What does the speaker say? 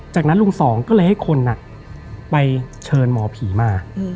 จากนั้นลุงสองก็เลยให้คนไปเชิญหมอผีมา